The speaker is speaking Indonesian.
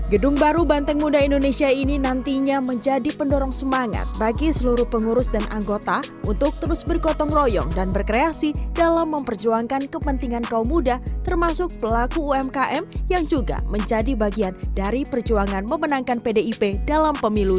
gedung baru banteng muda indonesia ini nantinya menjadi pendorong semangat bagi seluruh pengurus dan anggota untuk terus bergotong royong dan berkreasi dalam memperjuangkan kepentingan kaum muda termasuk pelaku umkm yang juga menjadi bagian dari perjuangan memenangkan pdip dalam pemilu dua ribu sembilan belas